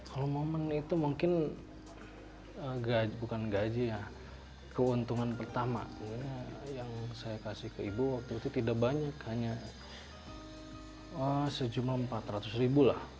kalau momen itu mungkin bukan gaji ya keuntungan pertama yang saya kasih ke ibu waktu itu tidak banyak hanya sejumlah empat ratus ribu lah